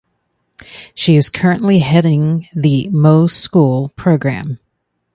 She is currently heading the "Mo school" programme.